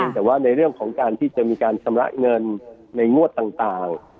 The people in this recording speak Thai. แต่ว่าในเรื่องของการที่จะมีการชำระเงินในงวดต่าง